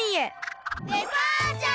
デパーチャー！